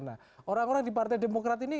nah orang orang di partai demokrat ini